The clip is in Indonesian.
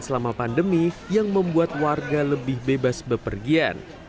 selama pandemi yang membuat warga lebih bebas bepergian